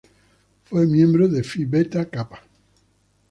Fue miembro de Phi Beta Kappa.